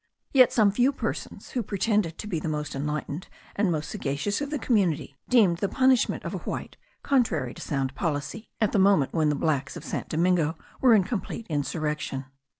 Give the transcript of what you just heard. Yet some few persons, who pretended to be the most enlightened and most sagacious of the community, deemed the punishment of a white contrary to sound policy, at the moment when the blacks of St. Domingo were in complete insurrection.